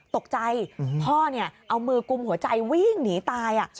ตกใจพ่อเอามือกุมหัวใจวิ่งหนีตาย